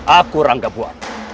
aku rangga buan